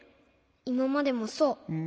いままでもそう。